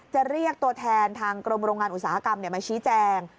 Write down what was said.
จะเรียกตัวแทนทางกรมโรงงานอุตสาหกรรมมาชี้แจง